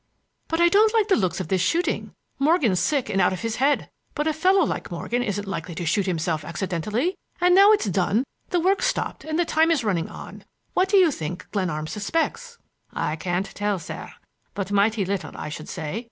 "But I don't like the looks of this shooting. Morgan's sick and out of his head. But a fellow like Morgan isn't likely to shoot himself accidentally, and now that it's done the work's stopped and the time is running on. What do you think Glenarm suspects?" "I can't tell, sir, but mighty little, I should say.